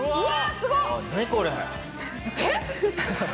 すごいね！